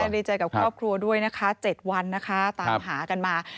ดีใจกับครอบครัวด้วยนะคะ๗วันนะคะตามหากันมา